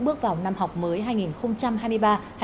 bước vào năm học mới hai nghìn hai mươi ba hai nghìn hai mươi bốn